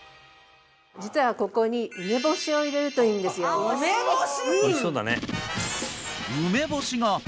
実はここに梅干しを入れるといいんですよ梅干し！？